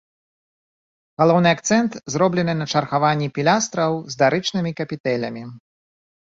Галоўны акцэнт зроблены на чаргаванні пілястраў з дарычнымі капітэлямі.